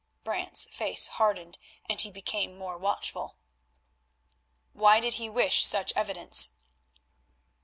Brant's face hardened, and he became more watchful. "Why did he wish such evidence?"